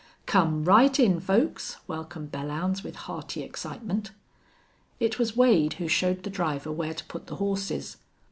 "Come right in, folks," welcomed Belllounds, with hearty excitement. It was Wade who showed the driver where to put the horses.